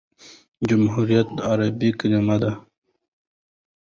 جمهوریت عربي کلیمه ده.